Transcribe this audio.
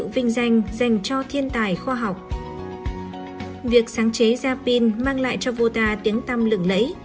việc sáng chế ra pin mang lại cho vota tiếng tăm lửng lẫy